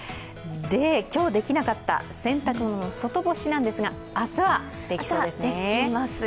今日、できなかった洗濯物外干しなんですが明日はできそうですね。